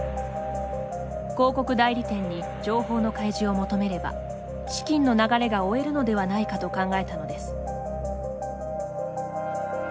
広告代理店に情報の開示を求めれば資金の流れが追えるのではないかと考えたのです。